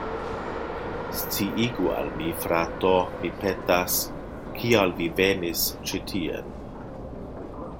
Sciigu al mi, frato, mi petas, kial vi venis ĉi tien.